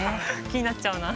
気になっちゃうな。